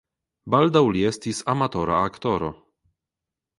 Baldaŭ li estis amatora aktoro.